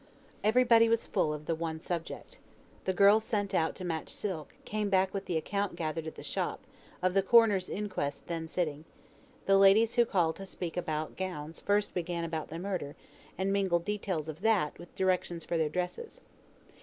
Every body was full of the one subject. The girl sent out to match silk, came back with the account gathered at the shop, of the coroner's inquest then sitting; the ladies who called to speak about gowns first began about the murder, and mingled details of that, with directions for their dresses.